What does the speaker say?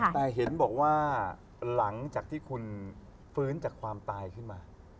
แต่เห็นบอกว่าหลังจากที่คุณฟื้นจากความตายขึ้นมา